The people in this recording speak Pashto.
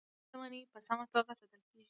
ملي شتمنۍ په سمه توګه ساتل کیږي.